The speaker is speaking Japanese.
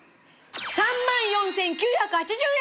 ３万４９８０円！